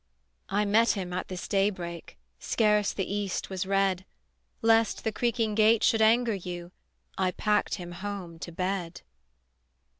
"I met him at this daybreak, Scarce the east was red: Lest the creaking gate should anger you, I packed him home to bed."